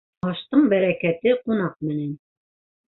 Аштың бәрәкәте ҡунаҡ менән.